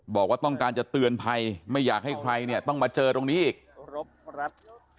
บอกว่าต้องการจะเตือนภัยไม่อยากให้ใครเนี่ยต้องมาเจอตรงนี้อีก